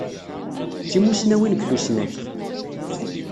D timussnawin deg tussnakt.